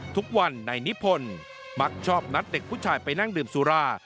ทุกวันนายนิพนธ์มักชอบนัดเด็กผู้ชายไปนั่งดื่มสุรา